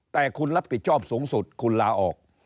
แต่คุณรับผิดชอบสูงสุดคุณลาออก